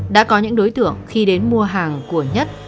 đã có những đối tượng khi đến mua hàng của nhất